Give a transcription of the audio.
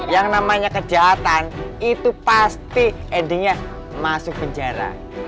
yang namanya kejahatan itu pasti endingnya masuk penjara